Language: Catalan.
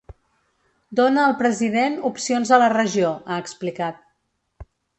“Dona al president opcions a la regió”, ha explicat.